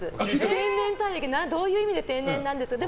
天然たい焼き、どういう意味で天然なんですかって。